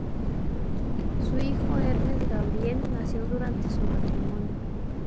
Su hijo Hermes Gabriel nació durante su matrimonio.